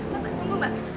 mbak tunggu mbak